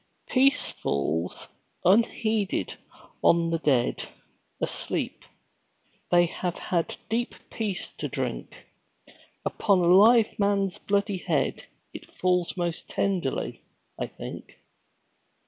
Peace falls unheeded on the dead Asleep; they have had deep peace to drink; Upon a live man's bloody head It falls most tenderly, I think.